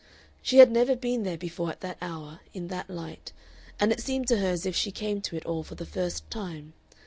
She had never been there before at that hour, in that light, and it seemed to her as if she came to it all for the first time.